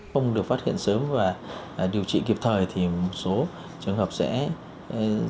không được phát hiện sớm và điều trị kịp thời thì một số trường hợp sẽ dẫn đến